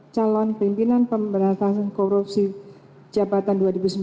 calon pimpinan pemberantasan korupsi jabatan dua ribu sembilan belas dua ribu dua puluh tiga